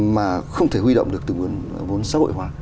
mà không thể huy động được từ nguồn vốn xã hội hóa